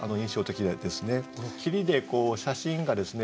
霧で写真がですね